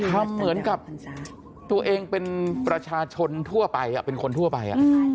ทำเหมือนกับตัวเองเป็นประชาชนทั่วไปเป็นคนทั่วไป